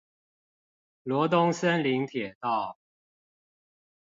羅東森林鐵道